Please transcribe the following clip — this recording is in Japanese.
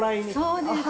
そうです。